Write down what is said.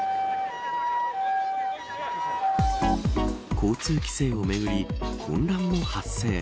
交通規制をめぐり混乱も発生。